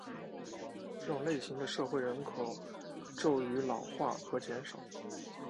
这种类型的社会人口趋于老化和减少。